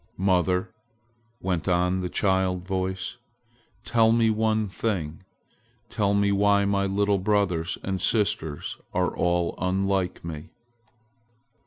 "Mother," went on the child voice, "tell me one thing. Tell me why my little brothers and sisters are all unlike me."